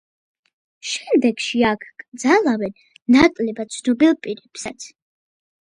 შემდგომში აქ კრძალავდნენ ნაკლებად ცნობილ პირებსაც.